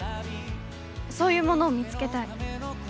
そういうものを見つけたい。